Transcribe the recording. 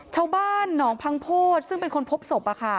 ชาวบ้านหนองพังโพธิซึ่งเป็นคนพบศพ